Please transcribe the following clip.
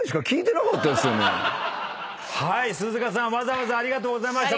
すずかさんわざわざありがとうございました。